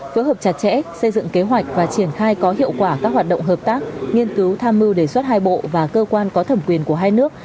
phối hợp chặt chẽ xây dựng kế hoạch và triển khai có hiệu quả các hoạt động hợp tác nghiên cứu tham mưu đề xuất hai bộ và cơ quan có thẩm quyền của hai nước